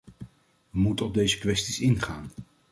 We moeten op deze kwesties ingaan.